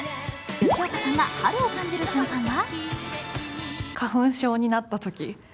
吉岡さんが春を感じる瞬間は？